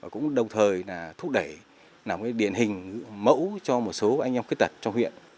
cũng đồng thời là thúc đẩy làm cái điện hình mẫu cho một số anh em khuyết tật trong huyện